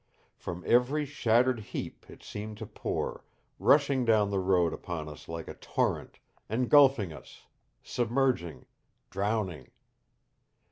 From every shattered heap it seemed to pour, rushing down the road upon us like a torrent, engulfing us, submerging, drowning.